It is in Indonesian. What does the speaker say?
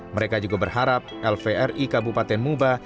mereka juga berharap lvri kabupaten muba